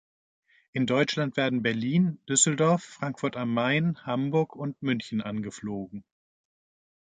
In Deutschland werden Berlin, Düsseldorf, Frankfurt am Main, Hamburg und München angeflogen.